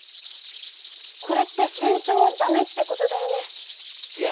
これって戦争はダメってことだよね？